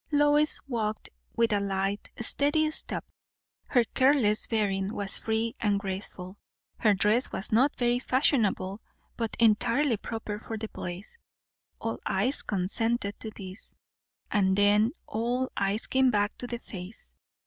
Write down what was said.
Lois walked with a light, steady step; her careless bearing was free and graceful; her dress was not very fashionable, but entirely proper for the place; all eyes consented to this, and then all eyes came back to the face.